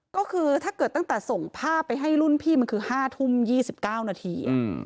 ก็คือถ้าเกิดตั้งแต่ส่งภาพไปให้รุ่นพี่มันคือ๕ทุ่ม๒๙นาที